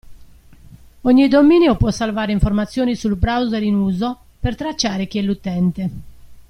Ogni dominio può salvare informazioni sul browser in uso per tracciare chi è l'utente.